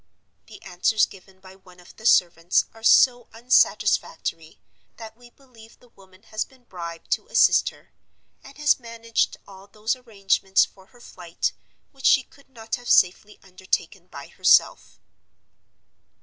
The answers given by one of the servants are so unsatisfactory that we believe the woman has been bribed to assist her; and has managed all those arrangements for her flight which she could not have safely undertaken by herself.